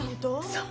そう。